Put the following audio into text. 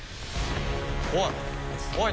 おい！